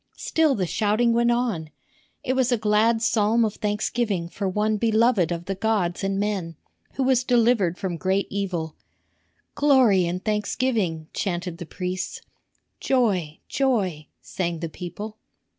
Still the shouting went on. It was a glad psalm of thanksgiving for one beloved of the gods and men, who was delivered from great evil. "Glory and thanksgiving," chanted the priests. "Joy, joy," sang the people.